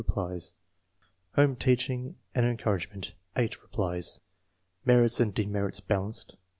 3 Home teaching and en couragement .. 8 „ Merits and demerits balanced